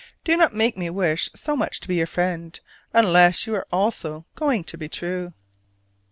Do not make me wish so much to be your friend, unless you are also going to be true!